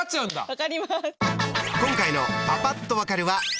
分かります。